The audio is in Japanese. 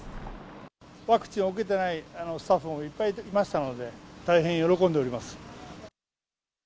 ワクチンを受けてないスタッフもいっぱいいましたので、大変喜んでおります。